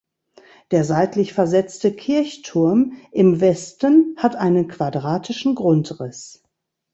Der seitlich versetzte Kirchturm im Westen hat einen quadratischen Grundriss.